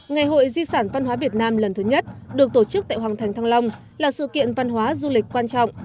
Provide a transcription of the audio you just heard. ngày hội di sản văn hóa việt nam lần thứ nhất được tổ chức tại hoàng thành thăng long là sự kiện văn hóa du lịch quan trọng